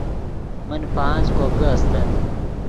من پانچ کوکے استت